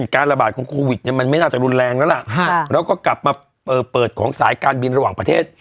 การระบาดของโควิดเนี่ยมันไม่น่าจะรุนแรงแล้วล่ะแล้วก็กลับมาเปิดของสายการบินระหว่างประเทศ